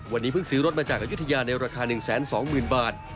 วันนี้เพิ่งซื้อรถมาจากอายุทยาในราคา๑๒๐๐๐บาท